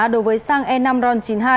đối với xăng e năm ron chín mươi hai